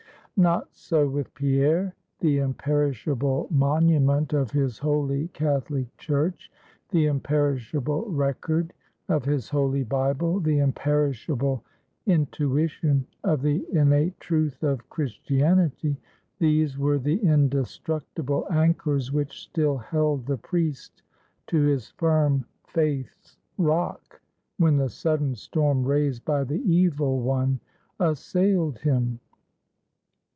Not so with Pierre. The imperishable monument of his holy Catholic Church; the imperishable record of his Holy Bible; the imperishable intuition of the innate truth of Christianity; these were the indestructible anchors which still held the priest to his firm Faith's rock, when the sudden storm raised by the Evil One assailed him.